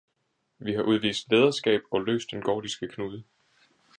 Vi har udvist lederskab og løst den gordiske knude.